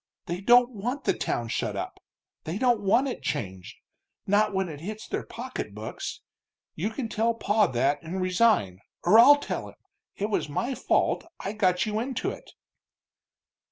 They don't want the town shut up, they don't want it changed not when it hits their pocketbooks. You can tell pa that, and resign or I'll tell him it was my fault, I got you into it."